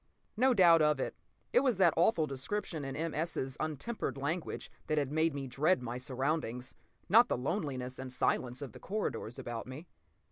No doubt of it, it was that awful description in M. S.'s untempered language that had made me dread my surroundings, not the loneliness and silence of the corridors about me.